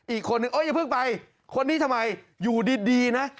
อีกคนนึงอย่าเพิ่งไปคนนี้ทำไมอยู่ดีนะ